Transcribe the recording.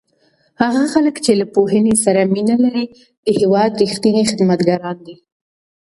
هغه خلک چې له پوهنې سره مینه لري د هېواد رښتیني خدمتګاران دي.